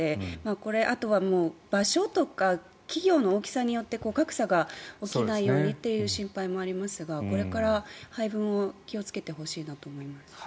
これ、あとは場所とか企業の大きさによって格差が起きないようにという心配もありますがこれから配分を気をつけてほしいなと思います。